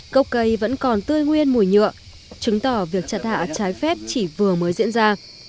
cốc cây vẫn còn tươi nguyên mùi nhựa chứng tỏ việc chặt hạ trái phép chỉ vừa mới diễn ra